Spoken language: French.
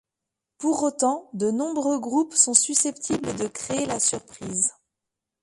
Pour autant, de nombreux groupes sont susceptibles de créer la surprise.